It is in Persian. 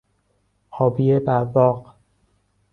آبی براق